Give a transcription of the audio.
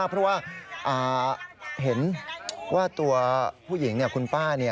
เพราะว่าเห็นว่าตัวผู้หญิงคุณป้า